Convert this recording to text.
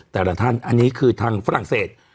แต่ละท่านอันนี้คือทางฝรั่งเศส